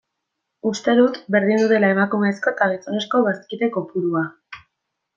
Uste dut berdindu dela emakumezko eta gizonezko bazkide kopurua.